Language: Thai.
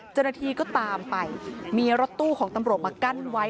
เจ้าหน้าที่ก็ตามไปมีรถตู้ของตำรวจมากั้นไว้